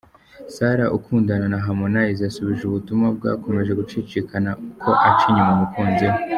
Sarah ukundana na Harmonize yasubije ubutumwa bwakomeje gucicikana ko aca inyuma umukunzi we.